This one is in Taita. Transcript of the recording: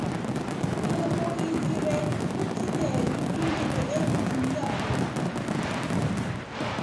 Kughuizire kutineri imbiri eghutumia putu.